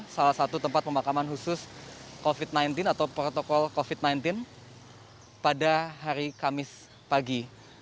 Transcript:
salah satu tempat pemakaman khusus covid sembilan belas atau protokol covid sembilan belas pada hari kamis pagi